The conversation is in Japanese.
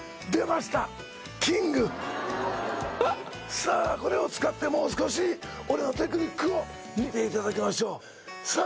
さあこれを使ってもう少し俺のテクニックを見ていただきましょうさあ